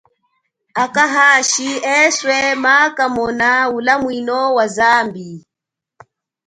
Akwa hashi eswe maakamona ulamwino wa zambi.